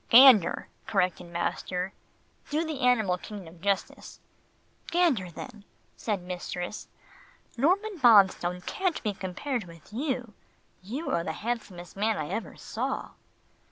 "Gander," corrected master. "Do the animal kingdom justice." "Gander then," said mistress. "Norman Bonstone can't be compared with you. You are the handsomest man I ever saw."